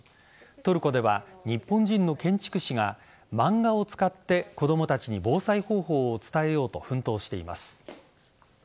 トルコでは日本人の建築士が漫画を使って子供たちに防災方法を伝えようと奮闘しています。